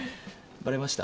バレました？